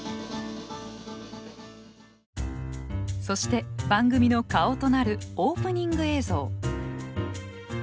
そして番組の顔となるオープニング映像。